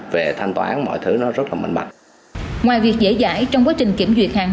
về thanh toán mọi thứ nó rất là mạnh ngoài việc dễ dãi trong quá trình kiểm duyệt hàng